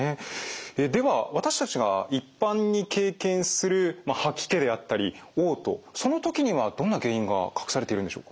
では私たちが一般に経験する吐き気であったりおう吐その時にはどんな原因が隠されているんでしょうか？